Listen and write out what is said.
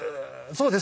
そうです